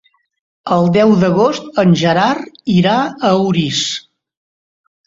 El deu d'agost en Gerard irà a Orís.